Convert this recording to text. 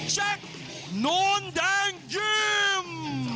แจ็คโน้นแดงจิ้ม